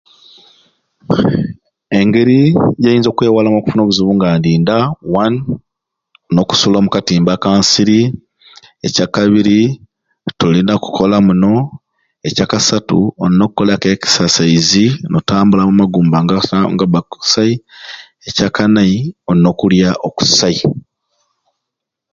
Engeri gyenyiza okwewalamu okufuna obuzibu nga ndi nda one. Nina okusula omukatimba kansiri ekyakabiri tolina kukolamu muno, ekyakastu olina okukolaku exercise notambulamu amagumba ne negaba kusai, ekyakanai olina okulya okusai